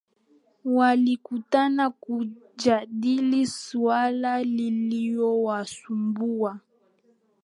Walikutana kujadili suala lililowasumbua